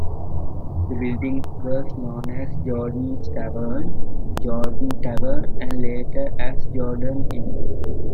The building was known as Gordon's Tavern, Gordon Tavern and later as Gordon Inn.